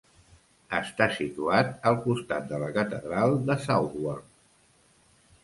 Està situat al costat de la catedral de Southwark.